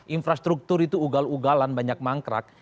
infrastruktur itu ugal ugalan banyak mangkrak